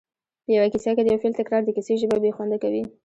په یوه کیسه کې د یو فعل تکرار د کیسې ژبه بې خونده کوي